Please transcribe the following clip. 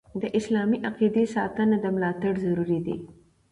د اسلامي عقیدي ساتنه او ملاتړ ضروري دي.